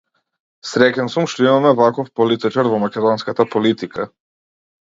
Среќен сум што имаме ваков политичар во македонската политика.